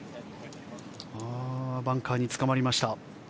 バンカーにつかまりました。